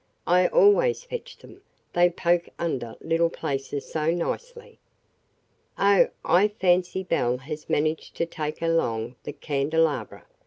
I always fetch them. They poke under little places so nicely." "Oh, I fancy Belle has managed to take along the candelabra.